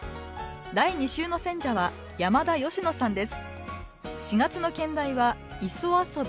第２週の選者は山田佳乃さんです。